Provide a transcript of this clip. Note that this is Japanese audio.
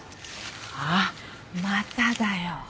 あっまただよ。